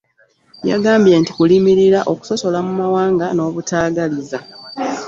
Yagambye nti kulimirira, okusosola mu mawanga n’obutaagaliza.